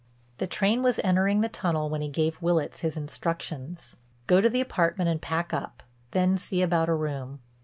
The train was entering the tunnel when he gave Willitts his instructions—go to the apartment and pack up, then see about a room.